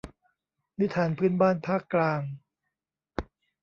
นิทานพื้นบ้านภาคกลาง